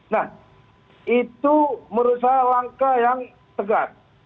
nah itu merusak langkah yang tegak